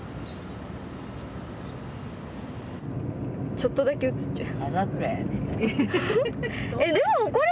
ちょっとだけ映っちゅう。